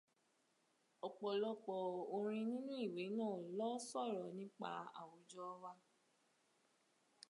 Ọ̀pọ̀lọpọ̀ orin nínú ìwé náà lọ́ sọ̀rọ̀ nípa àwùjọ wa.